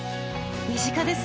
身近ですね。